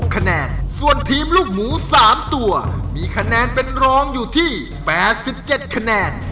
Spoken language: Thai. คะแนนส่วนทีมลูกหมู๓ตัวมีคะแนนเป็นรองอยู่ที่๘๗คะแนน